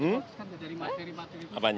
yang titik titik beratkan